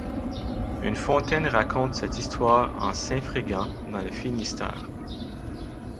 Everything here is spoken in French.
Une fontaine raconte cette histoire en Saint Frégant dans le Finistère.